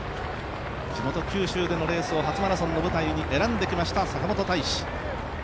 地元・九州でのレースを初マラソンに選んできました坂本大志。